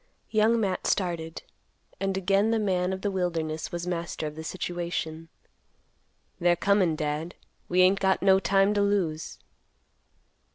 Young Matt started, and again the man of the wilderness was master of the situation. "They're comin', Dad. We ain't got no time to lose."